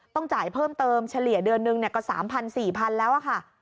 ต้องจ่ายเพิ่มเติมเฉลี่ยเดือนหนึ่งก็๓๐๐๔๐๐๐แล้วค่ะ